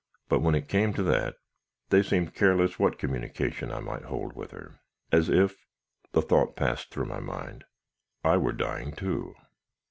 But when it came to that, they seemed careless what communication I might hold with her; as if the thought passed through my mind I were dying too.